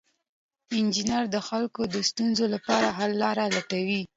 انجینر د خلکو د ستونزو لپاره حل لارې لټوي.